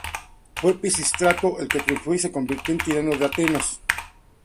Fue Pisístrato el que triunfó y se convirtió en tirano de Atenas.